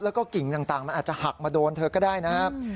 แล้วก็กิ่งต่างมันอาจจะหักมาโดนเธอก็ได้นะครับ